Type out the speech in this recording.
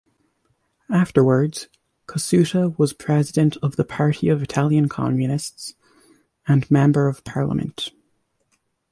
Afterwards, Cossutta was president of the Party of Italian Communists, and Member of Parliament.